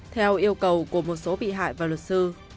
theo yêu cầu của một số bị hại và luật sư